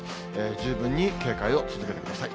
十分に警戒を続けてください。